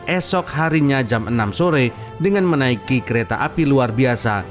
esok harinya jam enam sore dengan menaiki kereta api luar biasa